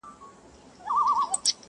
وجود شراب شراب نشې نشې لرې که نه,